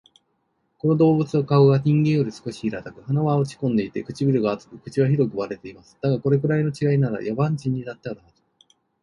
この動物は顔が人間より少し平たく、鼻は落ち込んでいて、唇が厚く、口は広く割れています。だが、これくらいの違いなら、野蛮人にだってあるはず